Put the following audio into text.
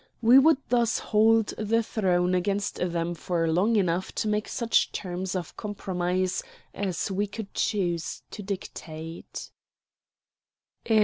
We would thus hold the throne against them for long enough to make such terms of compromise as we chose to dictate.